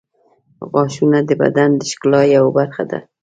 • غاښونه د بدن د ښکلا یوه برخه ده.